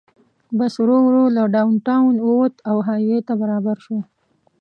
بس ورو ورو له ډاون ټاون ووت او های وې ته برابر شو.